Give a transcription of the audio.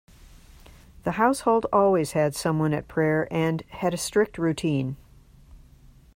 The household always had someone at prayer and had a strict routine.